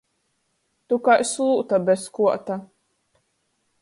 Tu kai slūta bez kuota!